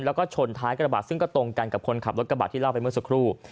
แล้วก็ชนท้ายกระบาดซึ่งก็ตรงกันกับคนขับรถกระบะที่เล่าไปเมื่อสักครู่